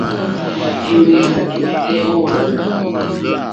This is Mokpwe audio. Èmbèrzà ɛ̀mɛ́ndɛ́ ó wàŋgá.